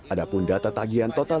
ada pun data tagihan total